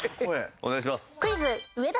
お願いします。